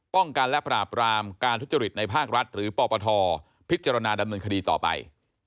ป้องกันและปราบรามการทุจริตในภาครัฐหรือปปทพิจารณาดำเนินคดีต่อไป